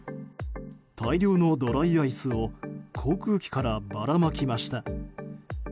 大量のドライアイスを航空機からばらまきました。